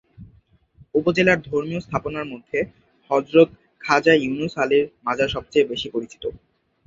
উপজেলার ধর্মীয় স্থাপনার মধ্যে হযরত খাজা ইউনুস আলীর মাজার সবচেয়ে বেশি পরিচিত।